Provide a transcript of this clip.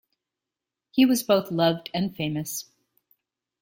He was both loved and famous.